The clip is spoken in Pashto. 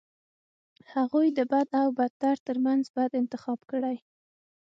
هغوی د بد او بدتر ترمنځ بد انتخاب کړي.